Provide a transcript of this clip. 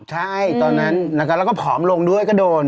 ใช่ตอนนั้นนะคะแล้วก็ผอมลงด้วยก็โดน